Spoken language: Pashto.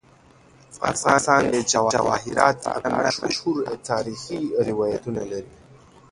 افغانستان د جواهرات په اړه مشهور تاریخی روایتونه لري.